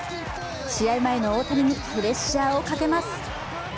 試合前の大谷にプレッシャーをかけます。